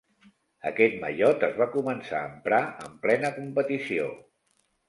Aquest mallot es va començar a emprar en plena competició.